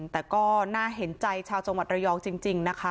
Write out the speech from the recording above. แต่ก็น่าเห็นใจชาวจังหวัดระยองจริงนะคะ